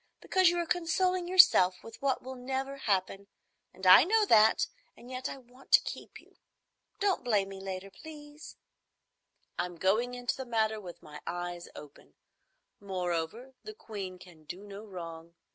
Because you are consoling yourself with what will never happen, and I know that, and yet I want to keep you. Don't blame me later, please." "I'm going into the matter with my eyes open. Moreover the Queen can do no wrong.